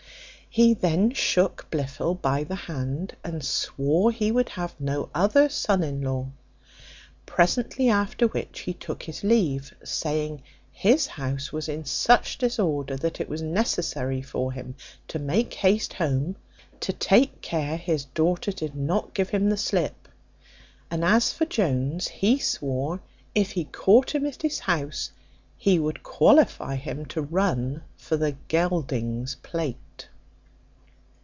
He then shook Blifil by the hand, and swore he would have no other son in law. Presently after which he took his leave; saying his house was in such disorder that it was necessary for him to make haste home, to take care his daughter did not give him the slip; and as for Jones, he swore if he caught him at his house, he would qualify him to run for the geldings' plate.